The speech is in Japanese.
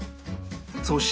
そして